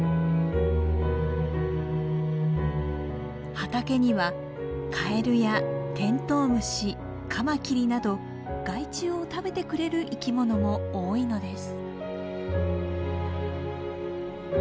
畑にはカエルやテントウムシカマキリなど害虫を食べてくれる生きものも多いのです。